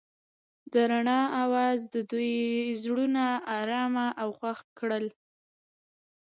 د رڼا اواز د دوی زړونه ارامه او خوښ کړل.